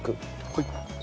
はい。